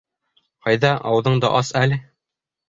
— Ҡайҙа, ауыҙыңды ас әле.